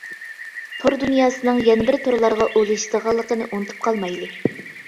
تور دۇنياسىنىڭ يەنە بىر تورلارغا ئۇلىشىدىغانلىقىنى ئۇنتۇپ قالمايلى؟ !